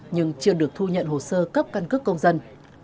nhưng chưa được thu nhận hồ sơ cấp căn cước công dân